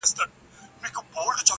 بې اختیاره وړي په پښو کي بېړۍ ورو ورو.!